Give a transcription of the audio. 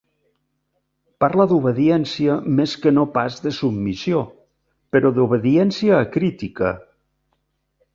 Parla d'obediència més que no pas de submissió, però d'obediència acrítica.